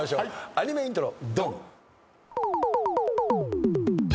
アニメイントロ。